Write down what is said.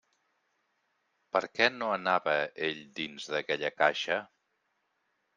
Per què no anava ell dins d'aquella caixa?